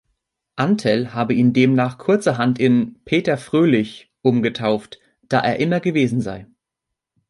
Antel habe ihn demnach kurzerhand in "Peter Fröhlich" „umgetauft“, da er immer gewesen sei.